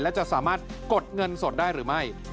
และจะสามารถกดเงินสดได้หรือไม่